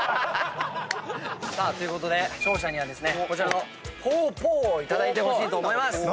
ということで勝者にはこちらのぽーぽーをいただいてほしいと思います。